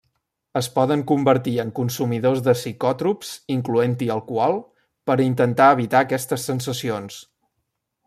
Es poden convertir en consumidors de psicòtrops incloent-hi alcohol per intentar evitar aquestes sensacions.